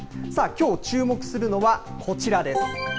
さあ、きょう注目するのは、こちらです。